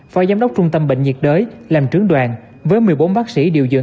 phó giám đốc trung tâm bệnh nhiệt đới làm trưởng đoàn với một mươi bốn bác sĩ điều dưỡng